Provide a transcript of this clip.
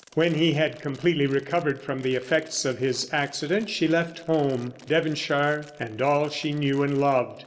When he had completely recovered from the effects of his accident she left home, Devonshire, and all she knew and loved.